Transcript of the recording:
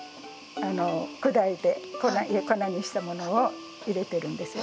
砕いて粉にしたものを入れてるんですよ